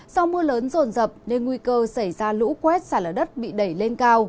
do mưa lớn rồn rập nên nguy cơ xảy ra lũ quét xả lở đất bị đẩy lên cao